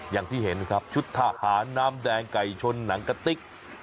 อย่างที่เห็นครับชุดทหารน้ำแดงไก่ชนหนังกะติ๊ก